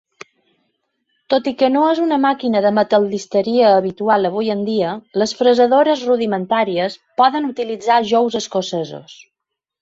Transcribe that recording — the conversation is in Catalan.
Tot i que no és una màquina de metal·listeria habitual avui en dia, les fresadores rudimentàries poden utilitzar jous escocesos.